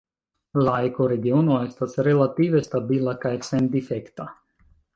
La ekoregiono estas relative stabila kaj sendifekta.